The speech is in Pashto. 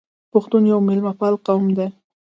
پښتون یو میلمه پال قوم دی.